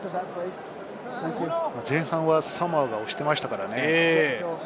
前半はサモアが押していましたからね。